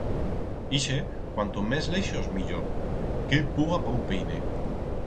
Ixe cuanto mes leixos millor, qué puga pa un peine!